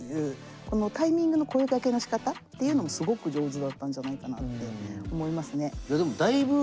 このタイミングの声がけのしかたっていうのもすごく上手だったんじゃないかなって思いますね。